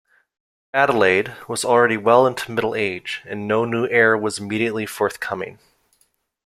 Adelaide was already well into middle age and no new heir was immediately forthcoming.